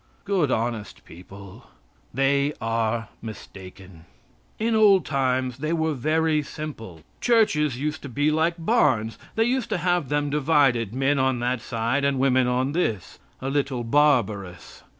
Good, honest people; they are mistaken. In old times they were very simple. Churches used to be like barns. They used to have them divided men on that side, and women on this. A little barbarous.